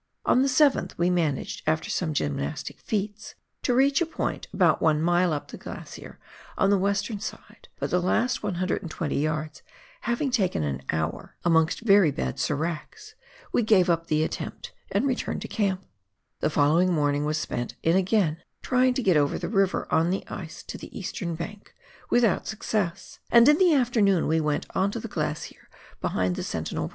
On the 7th we managed, after some gymnastic feats, to reach a point about one mile up the glacier on the western side, but the last 120 yards having taken an hour, amongst WAIHO RIVER FRANZ JOSEF GLACIER. oa very bad seracs, we gave up the attempt and returned to camp. The following morning was spent in again trying to get over the river on the ice to the eastern bank, without success, and in the afternoon we went on to the glacier behind the Sentinel E.